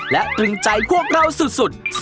และตรึงใจพวกเราสุด